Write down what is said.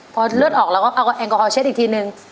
พอเลือดออกเราก็เอาแอลกอฮอลเช็ดอีกทีนึง